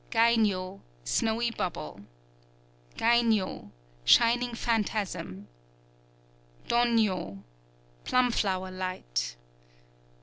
_ Gainyo, Snowy Bubble. Gainyo, Shining Phantasm. _Dōnyo, Plumflower Light.